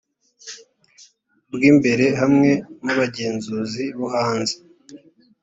bw imbere hamwe n abagenzuzi bo hanze